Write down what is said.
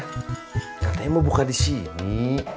katanya mau buka di sini